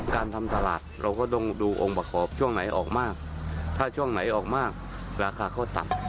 การทำตลาดเราก็ต้องดูองค์ประกอบช่วงไหนออกมากถ้าช่วงไหนออกมากราคาเขาต่ำ